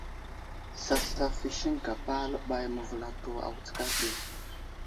Sasaf i siŋkapa aləɓay məvəlato a wutskar ɗi.